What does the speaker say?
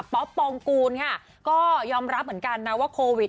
ปองกูลค่ะก็ยอมรับเหมือนกันนะว่าโควิด